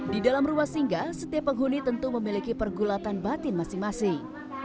di dalam rumah singgah setiap penghuni tentu memiliki pergulatan batin masing masing